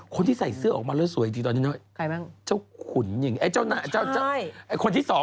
คนที่ใส่เสื้อออกมาแล้วสวยจริงตอนนี้